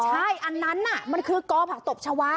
ใช่อันนั้นมันคือกอผักตบชาวา